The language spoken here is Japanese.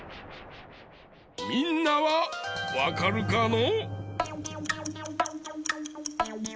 みんなはわかるかの？